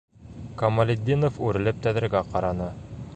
Камалетдинов үрелеп тәҙрәгә ҡараны.